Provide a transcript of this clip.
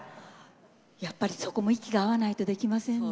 やっぱりそこも息が合わないとできませんね。